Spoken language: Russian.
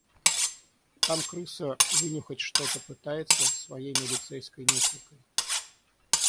Там крыса вынюхать что-то пытается своей милицейской нюхалкой.